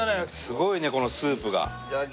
すごいねこのスープが。